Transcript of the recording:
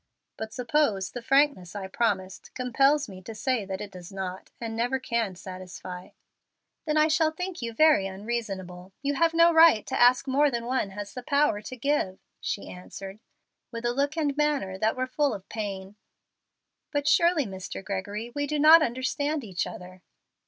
But suppose the frankness I promised compels me to say that it does not, and never can satisfy?" "Then I shall think you very unreasonable. You have no right to ask more than one has the power to give," she answered, with a look and manner that were full of pain. "But surely, Mr. Gregory, we do not understand each other."